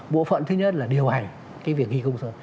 bộ phận thứ nhất là điều hành cái việc ghi công rồi